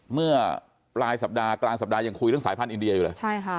เมื่อปลายสัปดาห์กลางสัปดาห์ยังคุยเรื่องสายพันธ์อินเดียอยู่เลยใช่ค่ะ